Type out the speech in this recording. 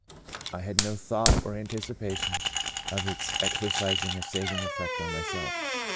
I had no thought or anticipation of its exercising a saving effect on myself.